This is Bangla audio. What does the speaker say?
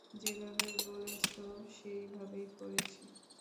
যেবাবে বলেছো সেই ভাবেই করেছি।